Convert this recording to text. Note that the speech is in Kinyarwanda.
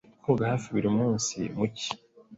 Koga hafi buri munsi mu cyi.